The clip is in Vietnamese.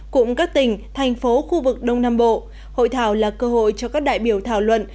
cùng các tỉnh thành phố khu vực đông nam bộ hội thảo là cơ hội cho các đại biểu thảo luận